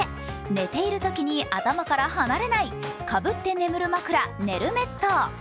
寝ているときに頭から離れないかぶって眠る枕ねるメット。